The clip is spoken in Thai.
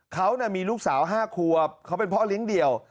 เขามีลูกสาว๕ครัวเขาเป็นเพราะลิ้งค์เดียว